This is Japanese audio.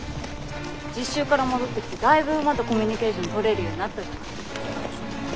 実習から戻ってきてだいぶ馬とコミュニケーションとれるようになったじゃない。